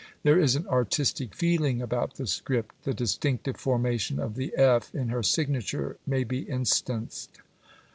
There is artistic feeling about the script; the distinctive formation of the F in her signature may be instanced.